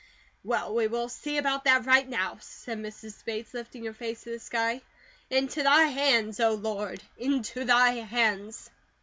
"Well, we will see about that right now," said Mrs. Bates, lifting her face to the sky. "Into thy hands, O Lord, into thy hands!"